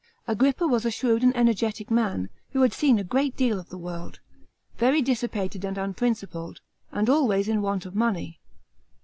Agrippa was a shrewd and energetic man, who had seen a great deal of the world; very dissipated and unprincipled; and always in want of money.